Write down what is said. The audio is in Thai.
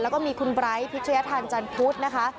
แล้วก็มีคุณไบร์สภิกษฐะทันจันทรพุธนะคะ